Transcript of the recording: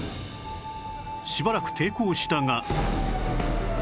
しばらく抵抗したが